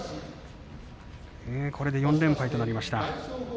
これで４連敗となりました。